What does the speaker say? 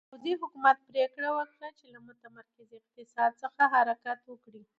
پوځي حکومت پرېکړه وکړه چې له متمرکز اقتصاد څخه حرکت وکړي.